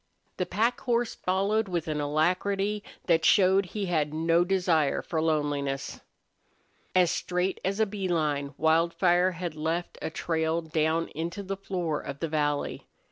The pack horse followed with an alacrity that showed he had no desire for loneliness. As straight as a bee line Wildfire had left a trail down into the floor of the valley.